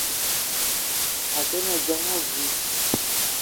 A te ma dzeng abui.